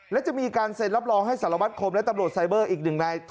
และจะมีการเซ็นรับรองให้สารวัตคมและตำรวจไซเบอร์อีกหนึ่งนาย